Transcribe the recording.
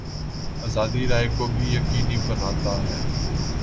آزادیٔ رائے کو بھی یقینی بناتا ہے۔